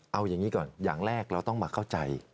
เอาอย่างนี้ก่อนอย่างแรกเราต้องมาเข้าใจ